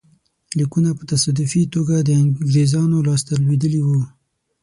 لیکونه په تصادفي توګه د انګرېزانو لاسته لوېدلي وو.